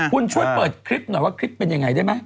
คุณช่วยเปิดคลิปหน่อยว่าคลิปเป็นยังไงได้ไหม